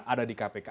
ada di kpk